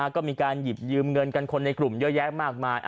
ก็มีการหยิบยืมเงินกันคนในกลุ่มเยอะแยะมากมาย